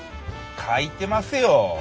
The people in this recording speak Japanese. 書いてますよ！